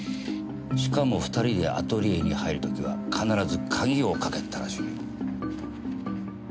しかも２人でアトリエに入る時は必ず鍵をかけてたらしい。